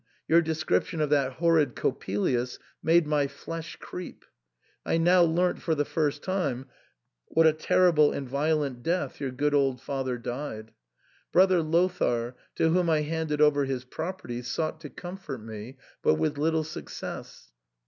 Your de scription of that horrid Coppelius made my flesh creep. I now learnt for the first time what a terrible and vio lent death your good old father died. Brother Lothair, to whonj I handed over his property, sought to comfort me, but with little success.